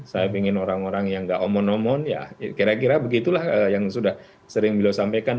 saya ingin orang orang yang nggak omon omon ya kira kira begitulah yang sudah sering beliau sampaikan